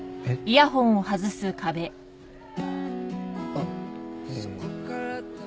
あっその。